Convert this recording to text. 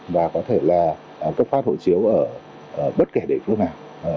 và có thể là cấp phát hộ chiếu ở bất kể địa phương nào